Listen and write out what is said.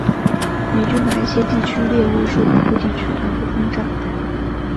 美军把一些地区列为受保护地区而不轰炸。